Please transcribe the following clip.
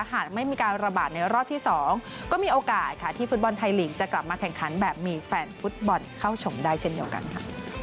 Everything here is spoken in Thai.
หากไม่มีการระบาดในรอบที่๒ก็มีโอกาสค่ะที่ฟุตบอลไทยลีกจะกลับมาแข่งขันแบบมีแฟนฟุตบอลเข้าชมได้เช่นเดียวกันค่ะ